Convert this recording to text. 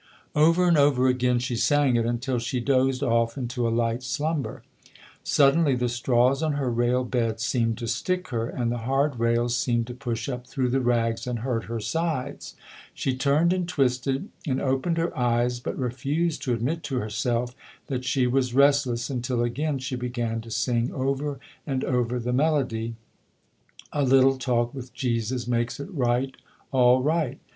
Over and over again she sang it until she dozed off into a light slumber. Suddenly the straws on her rail bed seemed to stick her and the hard rails seemed to push up through the rags and hurt her sides. She turned and twisted and opened her eyes, but refused to admit to herself that she was restless until again she began to sing over and over the melody : A little talk with Jesus makes it right, all right.